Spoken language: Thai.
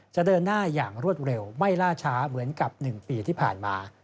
จะเดินหน้าอย่างรวดเร็วไม่ล่าช้าเหมือนกับ๑ปีที่ผ่านมา